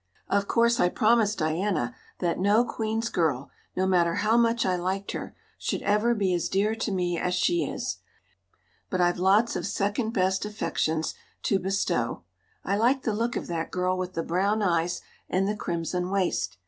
Of course I promised Diana that no Queen's girl, no matter how much I liked her, should ever be as dear to me as she is; but I've lots of second best affections to bestow. I like the look of that girl with the brown eyes and the crimson waist.